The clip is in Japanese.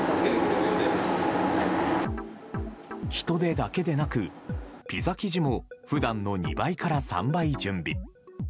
人手だけでなく、ピザ生地もふだんの２倍から３倍準備。